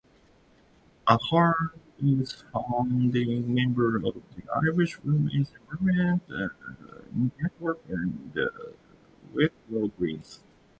Ahern is founding member of the Irish Women's Environment Network and the Wicklow Greens.